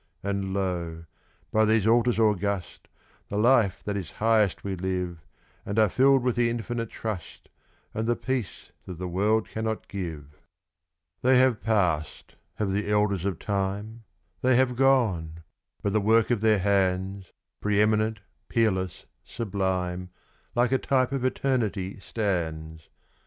And lo! by these altars august, the life that is highest we live, And are filled with the infinite trust and the peace that the world cannot give. They have passed, have the elders of time they have gone; but the work of their hands, Pre eminent, peerless, sublime, like a type of eternity stands!